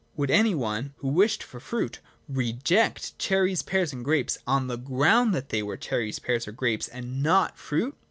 Would any one, who wished for fruit, reject cherries, pears, and grapes, on the ground that they were cherries, pears, or grapes, and not fruit?